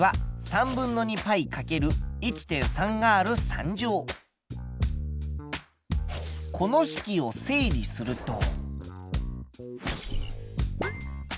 体積はこの式を整理すると。